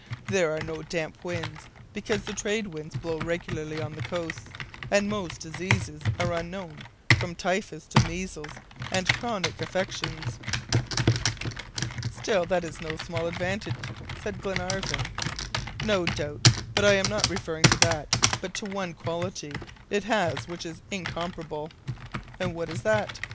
There are no damp winds, because the trade winds blow regularly on the coasts, and most diseases are unknown, from typhus to measles, and chronic affections." "Still, that is no small advantage," said Glenarvan. "No doubt; but I am not referring to that, but to one quality it has which is incomparable." "And what is that?"